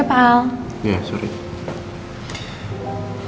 nah jatuh suaramu nanti